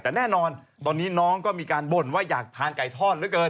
แต่แน่นอนตอนนี้น้องก็มีการบ่นว่าอยากทานไก่ทอดเหลือเกิน